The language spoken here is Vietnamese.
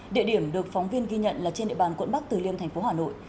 địa điểm được phóng viên ghi nhận là trên địa bàn quận bắc từ liêm thành phố hà nội